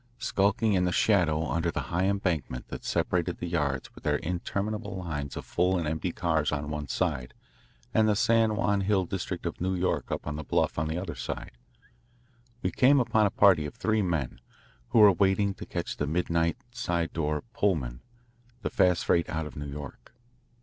Skulking in the shadow under the high embankment that separated the yards with their interminable lines of full and empty cars on one side and the San Juan Hill district of New York up on the bluff on the other side, we came upon a party of three men who were waiting to catch the midnight" side door Pullman " the fast freight out of New York.